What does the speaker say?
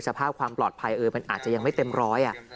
สภาพความปลอดภัยมันอาจจะยังไม่เต็มร้อย